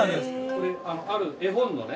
これある絵本のね。